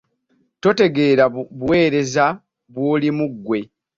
Totegeera buweereza bw'olimu ggwe.